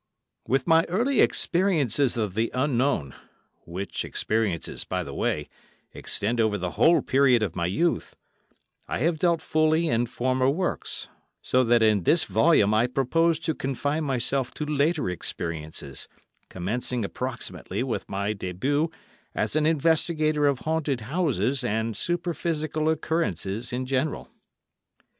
With my early experiences of the Unknown—which experiences, by the way, extend over the whole period of my youth—I have dealt fully in former works; so that in this volume I propose to confine myself to later experiences, commencing approximately with my début as an investigator of haunted houses and superphysical occurrences in general.